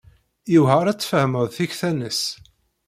Yewɛeṛ ad tfehmeḍ tikta-nnes.